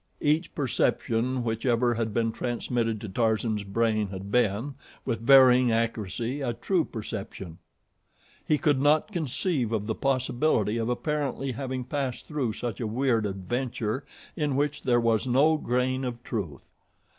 Each perception which ever had been transmitted to Tarzan's brain had been, with varying accuracy, a true perception. He could not conceive of the possibility of apparently having passed through such a weird adventure in which there was no grain of truth.